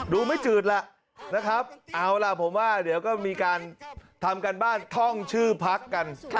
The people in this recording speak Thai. ดูไม่จืดแหละนะครับเอาล่ะผมว่าเดี๋ยวก็มีการทำการบ้านท่องชื่อพักกัน